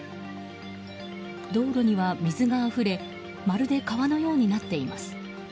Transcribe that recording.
道路には水があふれまるで川のようになっています。